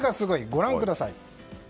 ご覧ください。